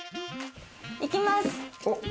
行きます。